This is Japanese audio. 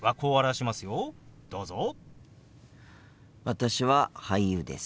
私は俳優です。